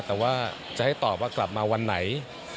แต่ว่าจะให้ตอบว่ากลับมาวันไหน